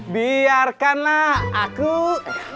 biarkan aku jadi pendampingmu